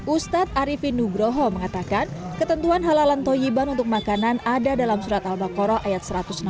ustadz arifin nugroho mengatakan ketentuan halalan toyiban untuk makanan ada dalam surat al baqarah ayat satu ratus enam puluh